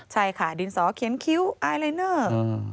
ใช่ค่ะดินสอเขียนคิ้วไอลายเนอร์